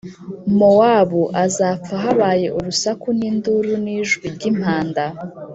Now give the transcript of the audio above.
Mowabu azapfa habaye urusaku n’induru n’ijwi ry’impanda.